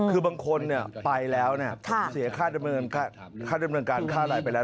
คือบางคนไปแล้วเสียค่าดำเนินการค่าอะไรไปแล้ว